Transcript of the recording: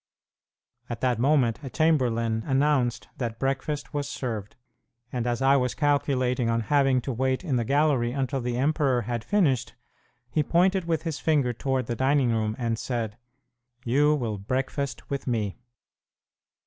At that moment, a chamberlain announced that breakfast was served, and as I was calculating on having to wait in the gallery until the emperor had finished, he pointed with his finger toward the dining room, and said, "You will breakfast with me."